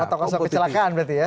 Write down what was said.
atau kosong kecelakaan berarti ya